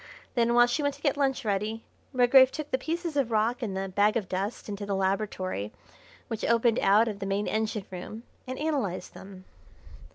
Then, while she went to get lunch ready, Redgrave took the pieces of rock and the bag of dust into the laboratory which opened out of the main engine room and analysed them.